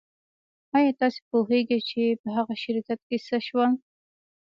ایا تاسو پوهیږئ چې په هغه شرکت څه شول